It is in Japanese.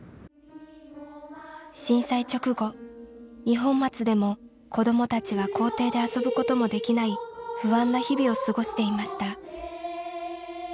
震災直後二本松でも子どもたちは校庭で遊ぶこともできない不安な日々を過ごしていました。